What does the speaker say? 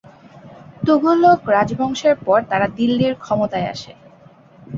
তুঘলক রাজবংশের পর তারা দিল্লির ক্ষমতায় আসে।